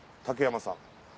竹山さん」